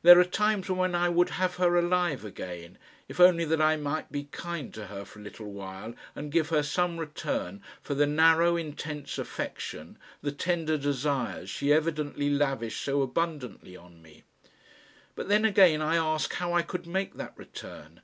There are times when I would have her alive again, if only that I might be kind to her for a little while and give her some return for the narrow intense affection, the tender desires, she evidently lavished so abundantly on me. But then again I ask how I could make that return?